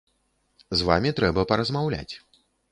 З вамі трэба паразмаўляць.